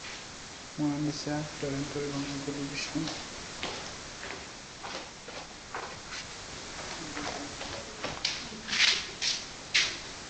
Mona Lisa টরন্টোর Bangla television কানাডার নানান আয়োজনে নিয়মিতভাবে সংগীত পরিবেশন করে থাকেন।